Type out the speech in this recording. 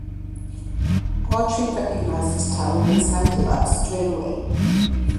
Autrey recognized his talent and signed him up straight away.